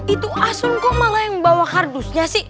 itu asun kok malah yang bawa hardusnya sih